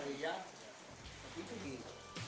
pemain muda khususnya para striker